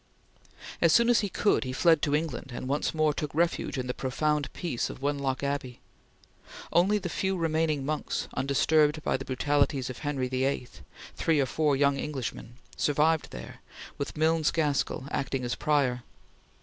As soon as he could, he fled to England and once more took refuge in the profound peace of Wenlock Abbey. Only the few remaining monks, undisturbed by the brutalities of Henry VIII three or four young Englishmen survived there, with Milnes Gaskell acting as Prior.